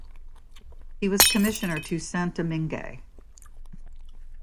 He was commissioner to Saint-Domingue.